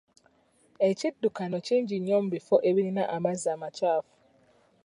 Ekiddukano kingi nnyo mu bifo ebirina amazzi amakyafu.